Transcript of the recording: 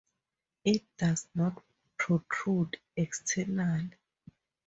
It does not protrude externally.